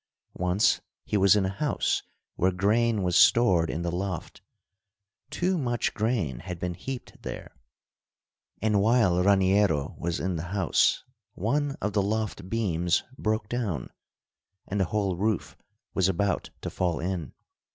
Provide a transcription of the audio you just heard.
Once he was in a house where grain was stored in the loft. Too much grain had been heaped there; and while Raniero was in the house one of the loft beams broke down, and the whole roof was about to fall in.